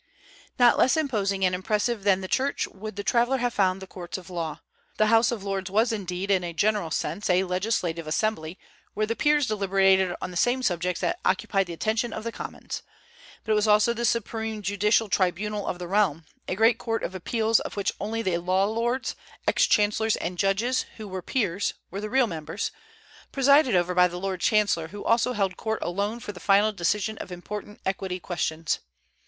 Not less imposing and impressive than the Church would the traveller have found the courts of law. The House of Lords was indeed, in a general sense, a legislative assembly, where the peers deliberated on the same subjects that occupied the attention of the Commons; but it was also the supreme judicial tribunal of the realm, a great court of appeals of which only the law lords, ex chancellors and judges, who were peers, were the real members, presided over by the lord chancellor, who also held court alone for the final decision of important equity questions.